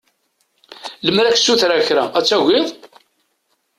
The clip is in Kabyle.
Lemmer ad k-ssutreɣ kra ad tagiḍ?